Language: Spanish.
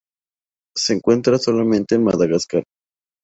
Se encuentra solamente en Madagascar.